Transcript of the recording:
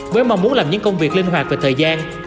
với mong muốn làm những công việc linh hoạt về thời gian